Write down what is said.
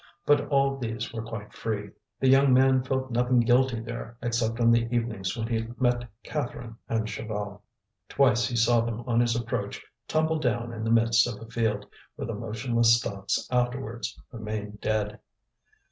But all these were quite free; the young man found nothing guilty there except on the evenings when he met Catherine and Chaval. Twice he saw them on his approach tumble down in the midst of a field, where the motionless stalks afterwards remained dead.